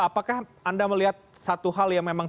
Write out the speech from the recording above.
apakah anda melihat satu hal yang memang